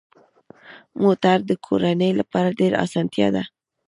موټر د کورنۍ لپاره ډېره اسانتیا ده.